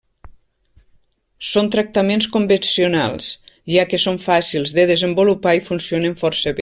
Són tractaments convencionals, ja que són fàcils de desenvolupar i funcionen força bé.